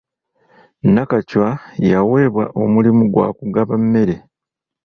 Nakacwa yaweebwa omulimu gwa kugaba emmere.